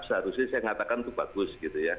seharusnya saya katakan itu bagus